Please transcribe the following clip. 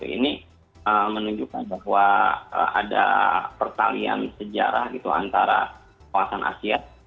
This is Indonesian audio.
ini menunjukkan bahwa ada pertalian sejarah gitu antara kawasan asia